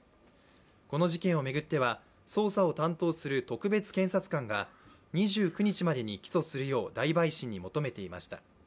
この事件を巡っては捜査を担当する特別検察官が２９日までに起訴するよう大陪審に求めていました。